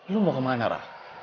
lo mau kemana ra